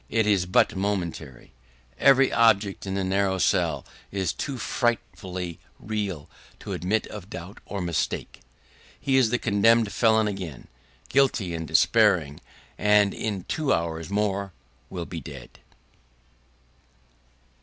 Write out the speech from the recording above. It is but momentary. Every object in the narrow cell is too frightfully real to admit of doubt or mistake. He is the condemned felon again, guilty and despairing; and in two hours more will be dead.